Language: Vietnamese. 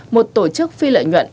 một tổ chức phi lợi nhuận